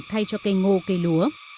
thay cho cây ngô cây lúa